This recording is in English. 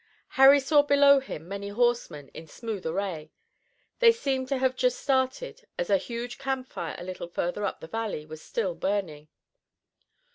Harry saw below him many horsemen in smooth array. They seemed to have just started, as a huge campfire a little further up the valley was still burning.